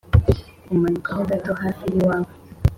umanuka hogato hafi y’iwabo.